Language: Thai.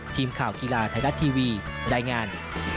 ทีมข่าวกีฬาไทยรัฐทีวีรายงาน